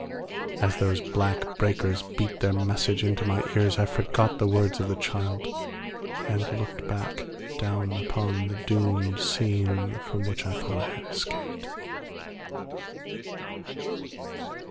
As those black breakers beat their message into my ears I forgot the words of the child and looked back, down upon the doomed scene from which I thought I had escaped.